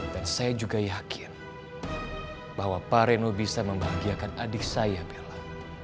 dan saya juga yakin bahwa pak reno bisa membagiakan adik saya bella